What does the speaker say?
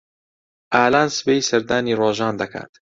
ئالان سبەی سەردانی ڕۆژان دەکات.